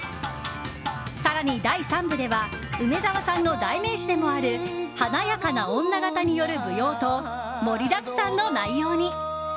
更に、第３部では梅沢さんの代名詞でもある華やかな女形による舞踊と盛りだくさんの内容に。